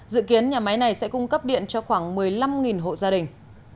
dự kiến nhà máy này sẽ cung cấp điện cho khoảng một mươi năm hộ gia đình